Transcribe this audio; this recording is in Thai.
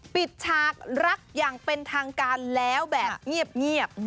ฉากรักอย่างเป็นทางการแล้วแบบเงียบ